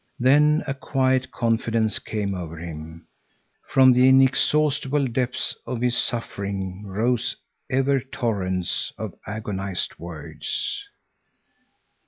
Then a quiet confidence came over him. From the inexhaustible depths of his suffering rose ever torrents of agonized words.